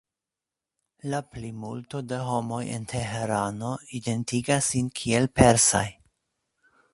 La plimulto de homoj en Teherano identigas sin kiel persaj.